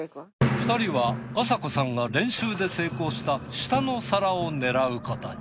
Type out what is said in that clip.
２人はあさこさんが練習で成功した下の皿を狙うことに。